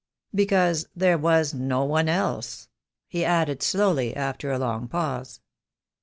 Because there was no one else," he added slowly, after a long pause.